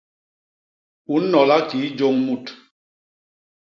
U nnola kii jôñ mut.